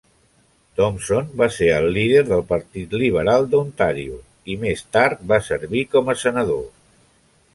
Thompson va ser el líder del Partit Liberal de Ontario i més tard va servir com a senador.